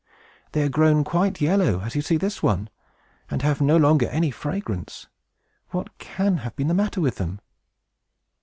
They are grown quite yellow, as you see this one, and have no longer any fragrance! What can have been the matter with them?"